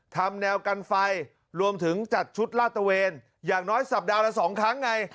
ทำแนวกันไฟรวมถึงจัดชุดลาดตะเวนอย่างน้อยสัปดาห์ละ๒ครั้งไง